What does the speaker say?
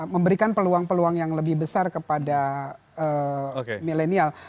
memberikan peluang peluang yang lebih besar kepada milenial